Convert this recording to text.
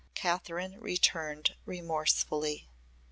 Kathryn returned remorsefully.